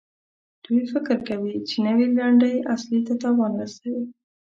دوی فکر کوي چې نوي لنډۍ اصلي ته تاوان رسوي.